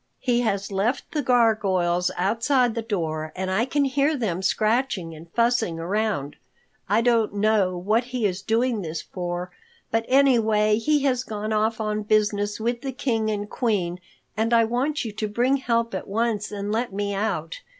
He has left the gargoyles outside the door and I can hear them scratching and fussing around. I don't know what he is doing this for, but anyway he has gone off on business with the King and Queen and I want you to bring help at once and let me out.